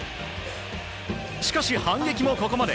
しかし反撃もここまで。